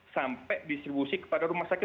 sampai distribusi kepada rumah sakit